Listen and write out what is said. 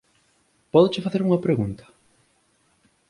Pódoche facer unha pregunta?